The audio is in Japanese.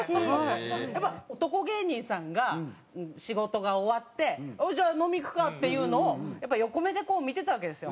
やっぱり男芸人さんが仕事が終わってじゃあ飲み行くかっていうのをやっぱり横目でこう見てたわけですよ。